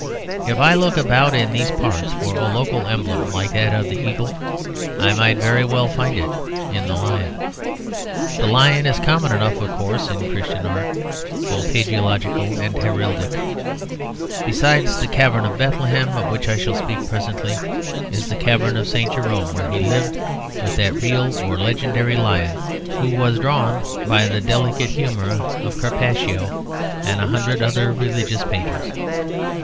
If I looked about in these parts for a local emblem like that of the eagle, I might very well find it in the lion. The lion is common enough, of course, in Christian art both hagiological and heraldic. Besides the cavern of Bethlehem of which I shall speak presently, is the cavern of St. Jerome, where he lived with that real or legendary lion who was drawn by the delicate humour of Carpaccio and a hundred other religious painters.